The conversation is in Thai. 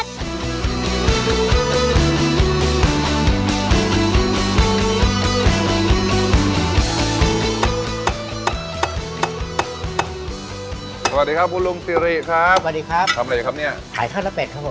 สวัสดีครับคุณลุงซิริครับสวัสดีครับทำอะไรครับเนี่ยขายข้าวหน้าเป็ดครับผม